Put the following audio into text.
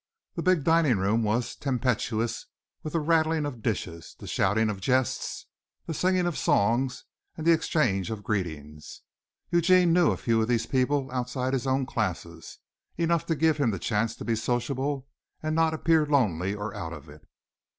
The big dining room was tempestuous with the rattling of dishes, the shouting of jests, the singing of songs and the exchange of greetings. Eugene knew a few of these people outside his own classes, enough to give him the chance to be sociable and not appear lonely or out of it.